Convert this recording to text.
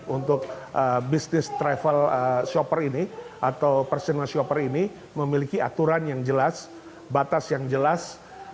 untuk bisnis travel shopper ini atau personal shopper ini memiliki aturan yang jelas batas yang jelas